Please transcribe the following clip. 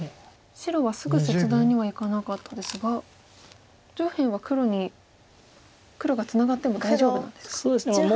白はすぐ切断にはいかなかったですが上辺は黒に黒がツナがっても大丈夫なんですか。